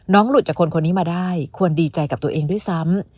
หลุดจากคนคนนี้มาได้ควรดีใจกับตัวเองด้วยซ้ำ